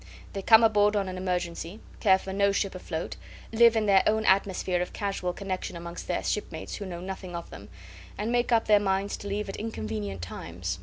They come aboard on an emergency, care for no ship afloat, live in their own atmosphere of casual connection amongst their shipmates who know nothing of them, and make up their minds to leave at inconvenient times.